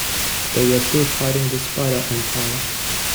They were still fighting the Spider Empire.